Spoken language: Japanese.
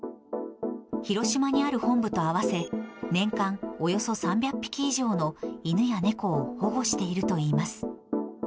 広島にある本部と合わせ、年間およそ３００匹以上の犬や猫を保護しているといいます。